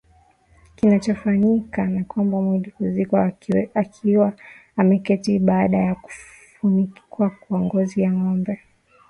Kinachofanyika ni kwamba mwili huzikwa ukiwa umeketi baada ya kufunikwa kwa ngozi ya ngombe